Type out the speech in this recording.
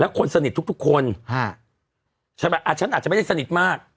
แล้วคนสนิททุกทุกคนฮะใช่ไหมอ่ะฉันอาจจะไม่ได้สนิทมาก